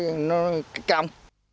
mô hình mới được triển khai gần một